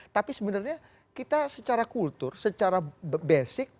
tapi sebenarnya kita secara kultur secara basic